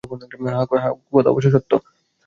হ্যাঁ, কথা অবশ্য সত্য।